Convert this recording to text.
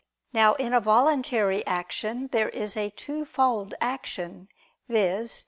Now, in a voluntary action, there is a twofold action, viz.